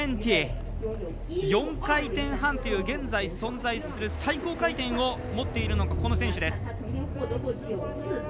４回転半という現在存在する最高回転を持っているのがこの選手です。